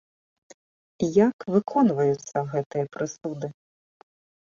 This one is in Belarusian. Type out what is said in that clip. Як выконваюцца гэтыя прысуды?